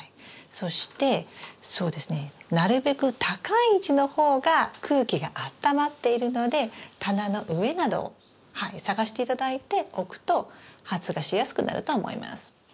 そしてそうですねなるべく高い位置の方が空気があったまっているので棚の上などを探して頂いて置くと発芽しやすくなると思います。